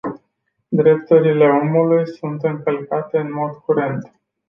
Drepturile omului sunt încălcate în mod curent.